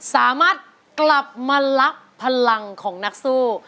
สามารถกลับมารับพลังของนักสู้